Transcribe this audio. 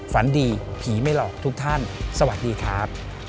ฝันดีผีไม่หลอกทุกท่านสวัสดีครับ